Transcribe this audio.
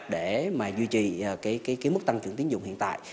để mà duy trì cái mức tăng trưởng tiến dụng hiện tại